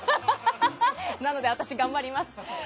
なので私、頑張ります。